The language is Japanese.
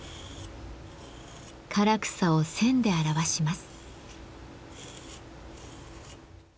唐草を線で表します。